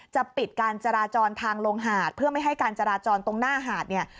จะปิดการจราจรทางลงหาดเพื่อไม่ให้การจราจรตรงหน้าหาดเนี่ย